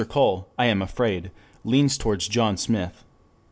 Cole, I am afraid, leans towards John Smith.